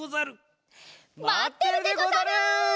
まってるでござる！